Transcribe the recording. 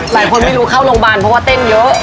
หลายคนไม่รู้เข้าโรงพยาบาลเพราะว่าเต้นเยอะ